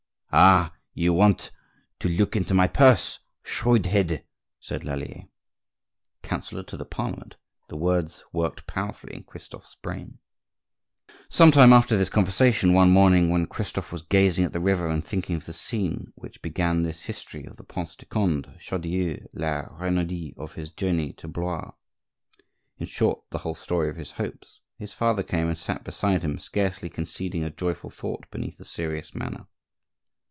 "Ah! you want to look into my purse, shrewd head!" said Lallier. Counsellor to the Parliament! The words worked powerfully in Christophe's brain. Sometime after this conversation, one morning when Christophe was gazing at the river and thinking of the scene which began this history, of the Prince de Conde, Chaudieu, La Renaudie, of his journey to Blois,—in short, the whole story of his hopes,—his father came and sat down beside him, scarcely concealing a joyful thought beneath a serious manner.